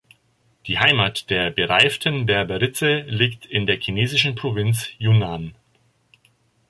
Die Heimat der Bereiften Berberitze liegt in der chinesischen Provinz Yunnan.